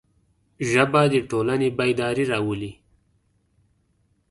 ژبه د ټولنې بیداري راولي